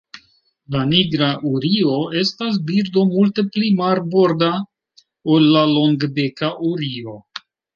La Nigra urio estas birdo multe pli marborda ol la Longbeka urio.